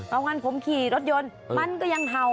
เอางั้นผมขี่รถยนต์มันก็ยังเห่า